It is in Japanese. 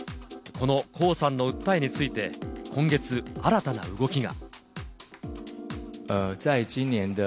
このコウさんの訴えについて今月、新たな動きが。